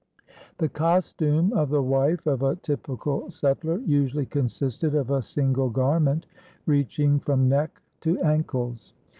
" The costume of the wife of a typical settler usually consisted of a single garment, reaching from neck to ankles.